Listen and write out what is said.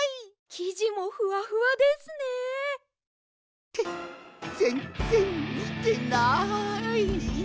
きじもふわふわですね！ってぜんぜんみてない！